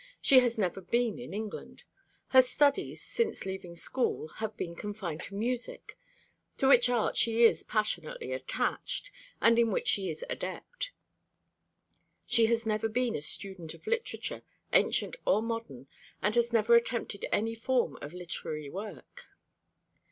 She has never been in England. Her studies since leaving school have been confined to music, to which art she is passionately attached, and in which she is adept. She has never been a student of literature, ancient or modern, and has never attempted any form of literary work.